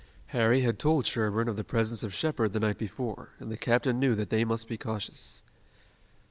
Harry had told Sherburne of the presence of Shepard the night before, and the captain knew that they must be cautious.